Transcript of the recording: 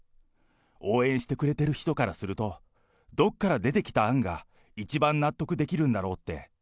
応援してくれてる人からすると、どこから出てきた案が一番納得できるんだろうって。